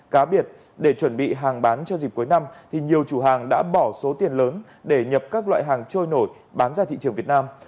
cá biệt để chuẩn bị hàng bán cho dịp cuối năm thì nhiều chủ hàng đã bỏ số tiền lớn để nhập các loại hàng trôi nổi bán ra thị trường việt nam